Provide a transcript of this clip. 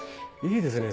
いいですね